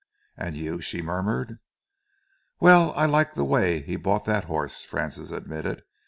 "And you?" she murmured. "Well, I like the way he bought that horse," Francis admitted.